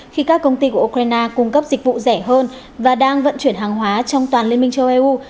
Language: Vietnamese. khi các công ty của ukraine cung cấp dịch vụ rẻ hơn và đang vận chuyển hàng hóa trong toàn liên minh châu âu